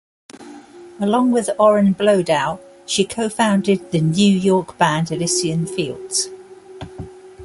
Along with Oren Bloedow, she co-founded the New York band Elysian Fields.